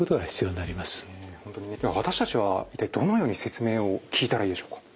私たちは一体どのように説明を聞いたらいいでしょうか？